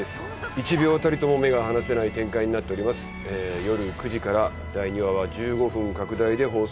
一秒たりとも目が離せない展開になっておりますよる９時から第２話は１５分拡大で放送します